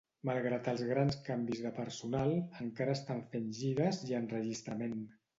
Malgrat els grans canvis de personal, encara estan fent gires i enregistrament.